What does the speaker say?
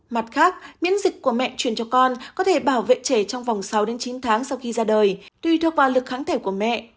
mặt khác miễn dịch của mẹ chuyển cho con có thể bảo vệ trẻ trong vòng sáu đến chín tháng sau khi ra đời tùy thuộc vào lực kháng thể của mẹ